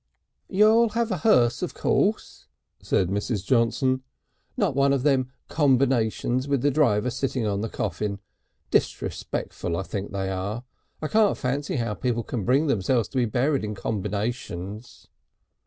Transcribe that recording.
"You'll have a hearse of course," said Mrs. Johnson. "Not one of them combinations with the driver sitting on the coffin. Disrespectful I think they are. I can't fancy how people can bring themselves to be buried in combinations."